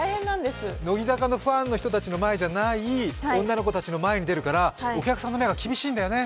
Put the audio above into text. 乃木坂のファンの人たちじゃない女の子たちの前に出るからお客さんの目が厳しいんだよね。